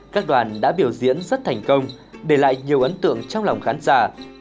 các đoàn đã biểu diễn rất thành công để lại nhiều ấn tượng trong lòng khán giả